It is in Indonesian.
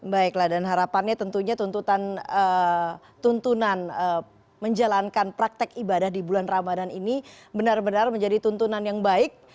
baiklah dan harapannya tentunya tuntunan menjalankan praktek ibadah di bulan ramadan ini benar benar menjadi tuntunan yang baik